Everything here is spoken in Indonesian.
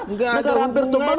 enggak ada hubungannya